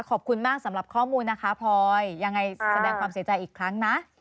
ขอบคุณมากสำหรับข้อมูลนะคะพลอยยังไงแสดงความเสียใจอีกครั้งนะ